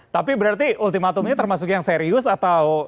tapi berarti ultimatumnya termasuk yang serius atau